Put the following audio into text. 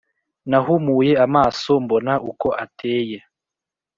nahumuye amaso mbona uko ateye,